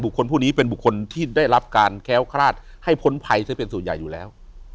คนพวกนี้เป็นบุคคลที่ได้รับการแค้วคลาดให้พ้นภัยซะเป็นส่วนใหญ่อยู่แล้ว